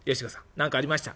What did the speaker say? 何かありました？」。